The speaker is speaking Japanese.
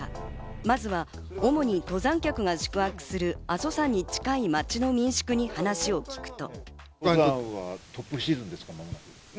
まずは主に登山客が宿泊する阿蘇山に近い町の民宿に話を聞くと。